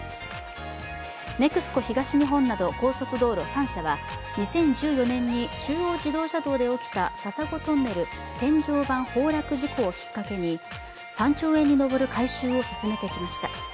ＮＥＸＣＯ東日本など高速道路３社は２０１４年に中央自動車道で起きた笹子トンネル天井板崩落事故をきっかけに３兆円に上る改修を進めてきました